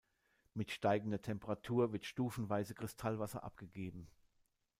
Mit steigender Temperatur wird stufenweise Kristallwasser abgegeben.